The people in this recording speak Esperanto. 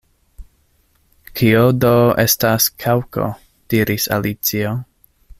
“Kio do estas Kaŭko?” diris Alicio.